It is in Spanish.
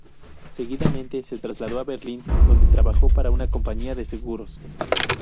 Seguidamente se trasladó a Berlín, donde trabajó para una compañía de seguros.